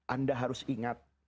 anda harus ingat